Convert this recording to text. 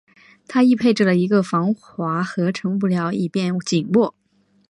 它亦配备了一个防滑合成物料以便紧握。